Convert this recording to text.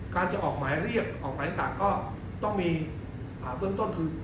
การจะออกหมายเรียกออกหมายต่างก็ต้องมีเบื้องต้นคือ